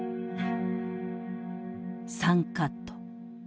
３カット。